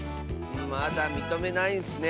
まだみとめないんッスね。